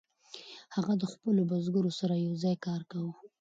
هغه د خپلو بزګرو سره یوځای کار کاوه.